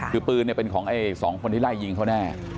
คือปืนเป็นของสองคนที่ไล่ยิงเขาแน่